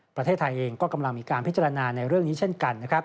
ประเทศไทยเองก็กำลังมีการพิจารณาในเรื่องนี้เช่นกันนะครับ